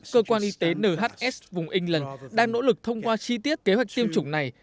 cơ quan y tế nhs vùng england đang nỗ lực thông qua chi tiết kế hoạch tiêm chủng này